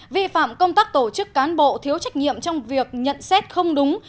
vi phạm công tác tổ chức cán bộ thiếu trách nhiệm trong việc nhận xét không đúng